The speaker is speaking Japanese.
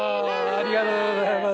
ありがとうございます。